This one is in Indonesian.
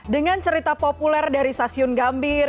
dengan cerita populer dari stasiun gambir